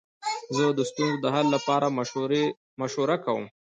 زه د ستونزو د حل لپاره مشوره کوم.